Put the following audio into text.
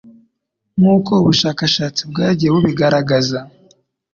nk'uko ubushakashatsi bwagiye bubigaragaza